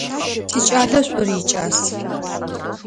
Тикӏалэ шӏур икӏас.